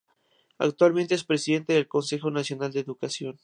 Actualmente es presidente del Consejo Nacional de Educación.